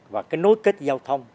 và cái nối kết giao thông